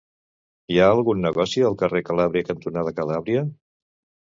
Hi ha algun negoci al carrer Calàbria cantonada Calàbria?